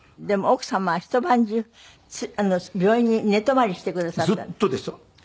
でも奥様は一晩中病院に寝泊まりしてくださったの？